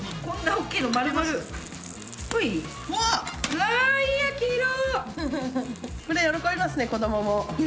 うわあいい焼き色。